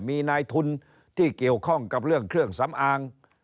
มีนายทุนที่เกี่ยวข้องกับเรื่องเครื่องสำอาง